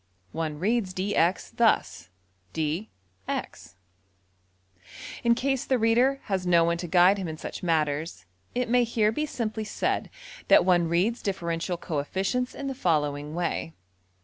One reads $dx$ thus: ``dee eks.'' In case the reader has no one to guide him in such matters it may here be simply said that one reads differential coefficients in the following way.